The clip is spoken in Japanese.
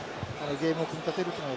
ゲームを組み立てるという。